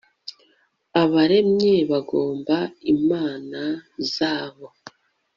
Abaremye bagomba imana zabo